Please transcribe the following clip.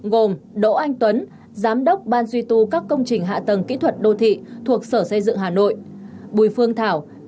gồm đỗ anh tuấn giám đốc ban duy tu các công trình hạ tầng kỹ thuật đô thị thuộc sở xây dựng hà nội